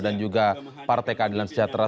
dan juga partai keadilan sejahtera